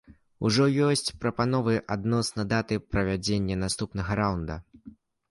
Ужо ёсць прапановы адносна даты правядзення наступнага раунда.